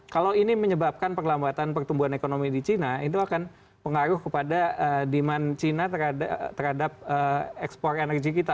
kalau ini menyebabkan perlambatan pertumbuhan ekonomi di china itu akan pengaruh kepada demand china terhadap ekspor energi kita